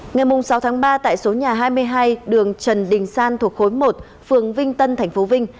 ngày sáu tháng ba tại số nhà hai mươi hai đường trần đình san thuộc khối một phường vinh tân tp vinh